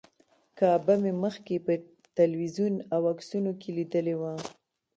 کعبه مې مخکې په تلویزیون او عکسونو کې لیدلې وه.